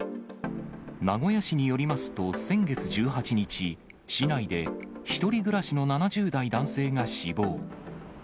名古屋市によりますと、先月１８日、市内で１人暮らしの７０代男性が死亡。